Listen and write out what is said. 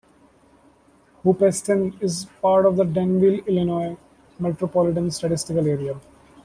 Hoopeston is part of the Danville, Illinois, Metropolitan Statistical Area.